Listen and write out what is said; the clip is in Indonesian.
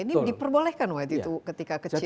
ini diperbolehkan waktu itu ketika kecil